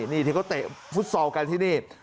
นี่ที่เขาเตะฟุตซอลกันที่นี่